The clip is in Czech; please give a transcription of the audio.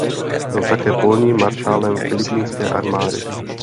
Byl také polním maršálem filipínské armády.